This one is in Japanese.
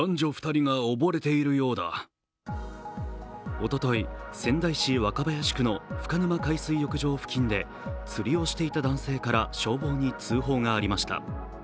おととい、仙台市若林区の深沼海水浴場付近で釣りをしていた男性から消防に通報がありました。